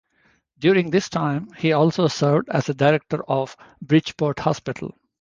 During this time, he also served as a director of Bridgeport Hospital.